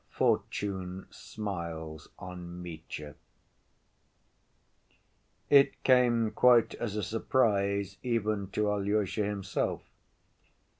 Fortune Smiles On Mitya It came quite as a surprise even to Alyosha himself.